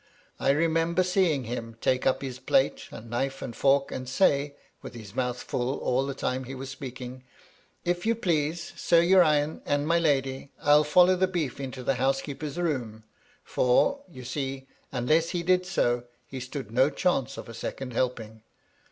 I remember seeing him take up his plate and knife and fork, and say, with his mouth full all the time he was speaking :' If you please, Sir Urian, and my Lady, I'll follow the beef into the housekeeper's room;' for, you see, unless he did so, he stood no chance of a second helping.